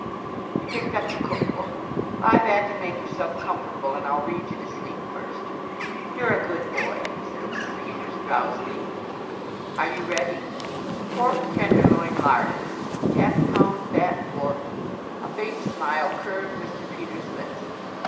He picked up the cookbook. "Lie back and make yourself comfortable, and I'll read you to sleep first." "You're a good boy," said Mr. Peters drowsily. "Are you ready? 'Pork Tenderloin Larded. Half pound fat pork '" A faint smile curved Mr. Peters' lips.